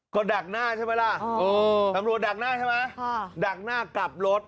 ก็ดักหน้าใช่ไหมล่ะตำรวจดักหน้าใช่ไหมดักหน้ากลับรถ